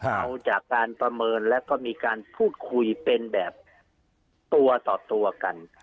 เอาจากการประเมินแล้วก็มีการพูดคุยเป็นแบบตัวต่อตัวกัน